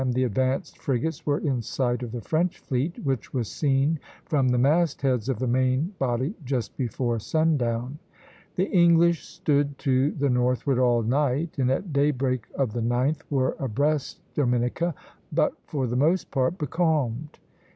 the advanced frigates were in sight of the French fleet, which was seen from the mastheads of the main body just before sundown. The English stood to the northward all night, and at daybreak of the 9th were abreast Dominica, but for the most part becalmed.